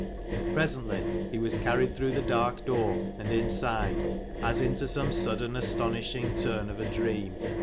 Presently he was carried through the dark door, and inside as into some sudden astonishing turn of a dream.